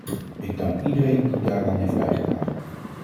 Ik dank iedereen die daaraan heeft bijgedragen.